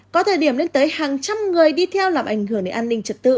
có thời điểm lên tới hàng trăm người đi theo làm ảnh hưởng đến an ninh trật tự